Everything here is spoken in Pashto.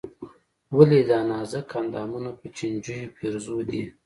ولې دې دا نازک اندامونه په چينجيو پېرزو دي.